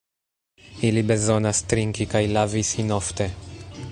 Ili bezonas trinki kaj lavi sin ofte.